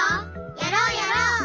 やろうやろう！